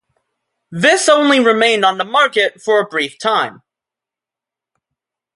This only remained on the market for a brief time.